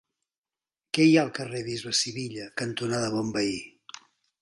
Què hi ha al carrer Bisbe Sivilla cantonada Bonveí?